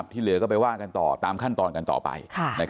ที่เหลือก็ไปว่ากันต่อตามขั้นตอนกันต่อไป